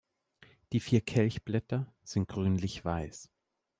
Die vier Kelchblätter sind grünlich-weiß.